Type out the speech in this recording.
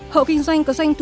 hộ kinh doanh có doanh thu